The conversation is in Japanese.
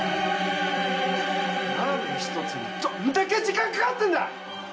ラーメン１つにどんだけ時間かかってるんだ！